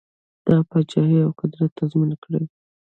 دا پاچهي او قدرت تضمین کړي.